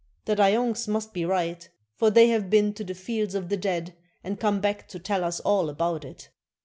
The Dayongs must be right, for they have been to the Fields of the Dead and come back to tell us all about it."